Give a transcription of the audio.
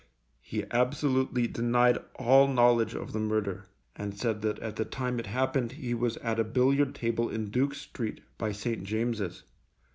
He absolutely denied all knowledge of the murder, and said that at the time it happened he was at a billiard table in Duke Street, by St. James's.